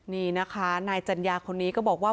นี่นะคะนายจัญญาคนนี้ก็บอกว่า